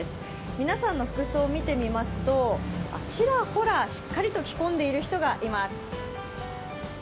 皆さんの服装見てみますとちらほらしっかりと着込んでいる人がいます。